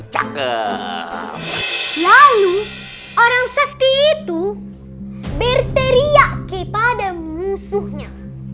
cakep lalu orang sakti itu berteriak kepada musuhnya